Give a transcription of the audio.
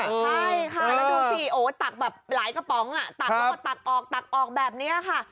ใช่ค่ะและดูสิตักแบบหลายกระป๋องแล้วตักออกแบบนี้ค่ะ